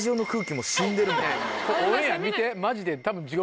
オンエア見てマジでたぶん。